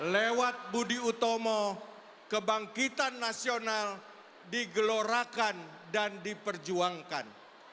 lewat budi utomo kebangkitan nasional digelorakan dan diperjuangkan